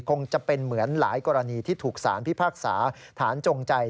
คงจะเป็นเหมือนหลายกรณีที่ถูกสารพิพากษาฐานจงใจ